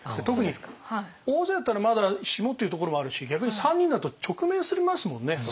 特に大勢だったらまだしもっていうところもあるし逆に３人だと直面しますもんね